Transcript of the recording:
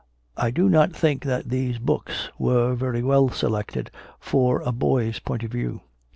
I do not think that these books were very well selected for a boy s point of view.